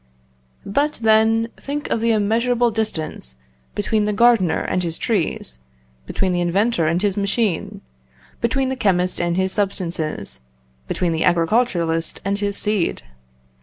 But, then, think of the immeasurable distance between the gardener and his trees, between the inventor and his machine, between the chemist and his substances, between the agriculturist and his seed!